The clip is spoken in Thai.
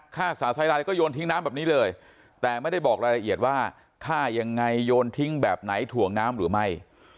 ฆ่าสาวไซรายแล้วก็โยนทิ้งน้ำแบบนี้เลยแต่ไม่ได้บอกรายละเอียดว่าฆ่ายังไงโยนทิ้งแบบไหนถ่วงน้ำหรือไม่